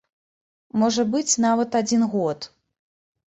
Можа быць нават адзін год.